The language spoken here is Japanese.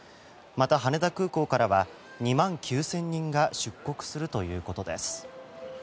また、羽田空港からは２万９０００人が出国するということです。